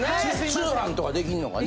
通販とかできんのかね？